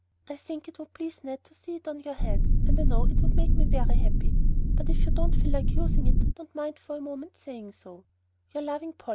I think it would please Ned to see it on your head, and I know it would make me very happy; but if you don't feel like using it, don't mind for a moment saying so to Your loving POLLY.